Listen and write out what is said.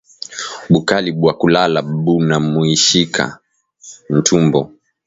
Bukali bwa kulala bunaumishaka ntumbo